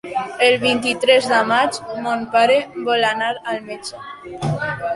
El vint-i-tres de maig mon pare vol anar al metge.